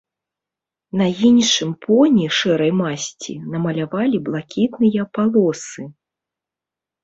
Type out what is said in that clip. На іншым поні шэрай масці намалявалі блакітныя палосы.